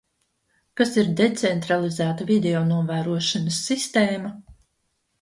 Kas ir decentralizēta videonovērošanas sistēma?